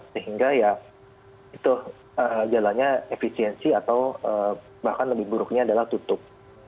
sehingga ya itu jalannya efisiensi atau bahkan lebih buruknya adalah tutup